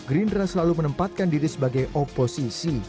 gerindra selalu menempatkan diri sebagai oposisi